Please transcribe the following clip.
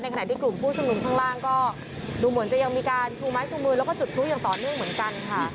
ขณะที่กลุ่มผู้ชุมนุมข้างล่างก็ดูเหมือนจะยังมีการชูไม้ชูมือแล้วก็จุดพลุอย่างต่อเนื่องเหมือนกันค่ะ